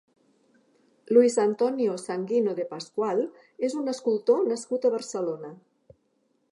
Luis Antonio Sanguino de Pascual és un escultor nascut a Barcelona.